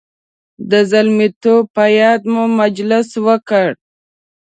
د زلمیتوب په یاد مو مجلس وکړ.